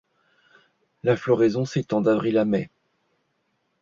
La floraison s'étend d'avril à mai.